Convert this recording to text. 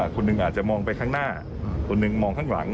คนหนึ่งอาจจะมองไปข้างหน้าคนหนึ่งมองข้างหลัง